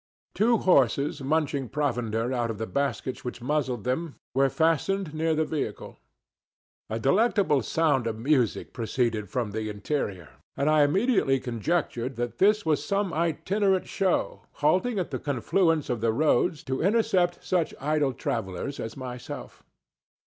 Two horses munching provender out of the baskets which muzzled them were fastened near the vehicle. A delectable sound of music proceeded from the interior, and I immediately conjectured that this was some itinerant show halting at the confluence of the roads to intercept such idle travellers as myself.